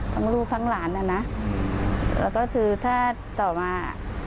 ลูกทั้งหลานนะนะแล้วก็คือถ้าต่อมา